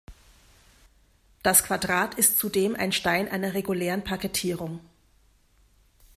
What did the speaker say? Das Quadrat ist zudem ein Stein einer regulären Parkettierung.